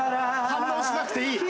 反応しなくていい。